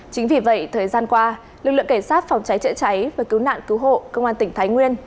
chính vì vậy thời gian qua lực lượng cảnh sát phòng cháy chữa cháy và cứu nạn cứu hộ công an tỉnh thái nguyên